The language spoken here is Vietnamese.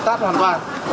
cho công ty đúng không ạ